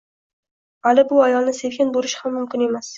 Ali bu ayolni sevgan bo`lishi mumkin emas